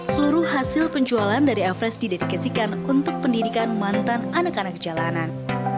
seluruh hasil penjualan dari everest didedikasikan untuk pendidikan mantan anak anak jalanan